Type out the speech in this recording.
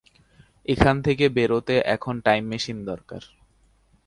এখান থেকে বেরোতে এখন টাইম মেশিন দরকার।